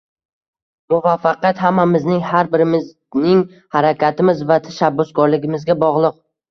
Muvaffaqiyat – hammamizning, har birimizning harakatimiz va tashabbuskorligimizga bog‘liq